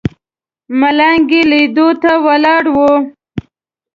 ملنګ یې لیدو ته ولاړ و.